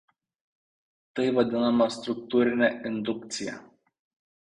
Tai vadinama struktūrine indukcija.